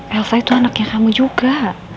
elsa itu anaknya kamu juga